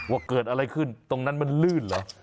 ว่าเกิดอะไรขึ้นตรงนั้นมันลื่นเหรอ